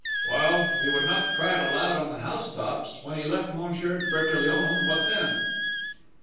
"Well, he would not cry it aloud on the housetops!... When he left Monsieur Bertillon, what then?"